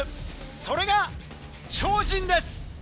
それが超人です。